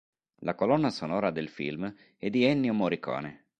La colonna sonora del film è di Ennio Morricone.